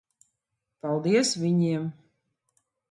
Paldies viņiem!